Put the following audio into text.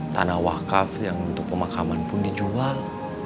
tanah wakaf yang untuk pemakaman pun dijual